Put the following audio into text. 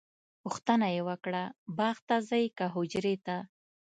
پوښتنه یې وکړه باغ ته ځئ که حجرې ته؟